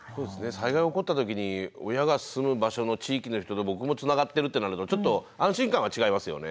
災害が起こった時に親が住む場所の地域の人と僕もつながってるってなるとちょっと安心感は違いますよね。